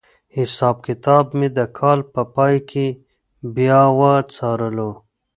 حساب کتاب مې د کال په پای کې بیا وڅارلو.